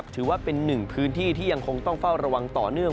ถือว่าเป็นหนึ่งพื้นที่ที่ยังคงต้องเฝ้าระวังต่อเนื่อง